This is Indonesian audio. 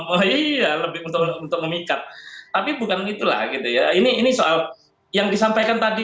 oh iya lebih untuk memikat tapi bukan itulah gitu ya ini soal yang disampaikan tadi